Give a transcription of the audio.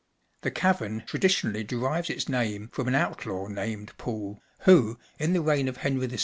The cavern traditionally derives its name from an outlaw named Poole, who, in the reign of Henry VI.